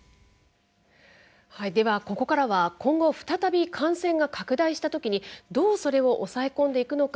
はいではここからは今後再び感染が拡大したときにどうそれを抑え込んでいくのか。